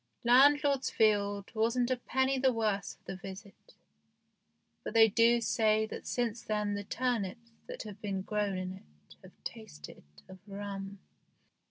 Landlord's field wasn't a penny the worse for the visit, but they do say that since then the turnips that have been grown in it have tasted of rum.